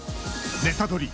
ネタドリ！